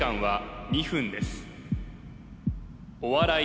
お笑い